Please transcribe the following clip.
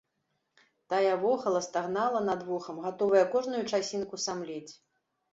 Тая вохала, стагнала над вухам, гатовая кожную часінку самлець.